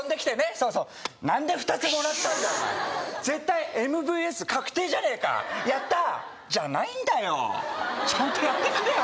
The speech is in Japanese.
そうそうなんで２つもらったんだよお前絶対ＭＶＳ確定じゃねえかやったー！じゃないんだよちゃんとやってくれよ